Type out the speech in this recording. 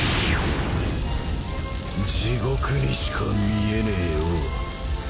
地獄にしか見えねえよ。